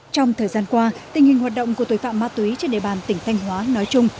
trong thời gian qua tình hình hoạt động của tội phạm ma túy trên địa bàn tỉnh thanh hóa nói chung